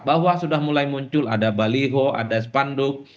bahwa sudah mulai muncul ada baliho ada spanduk